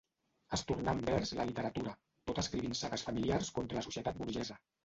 Es tornà envers la literatura, tot escrivint sagues familiars contra la societat burgesa.